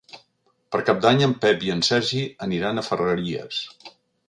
Per Cap d'Any en Pep i en Sergi aniran a Ferreries.